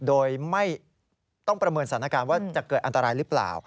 โดยไม่ต้องประเมินสถานการณ์ว่าจะเกิดอันตรายหรือเปล่า